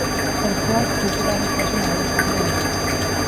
Auzoak, kultura aniztasun aberasgarria dauka.